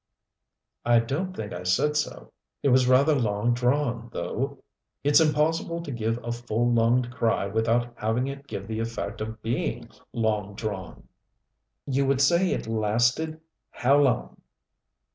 "I don't think I said so. It was rather long drawn, though. It's impossible to give a full lunged cry without having it give the effect of being long drawn." "You would say it lasted how long?"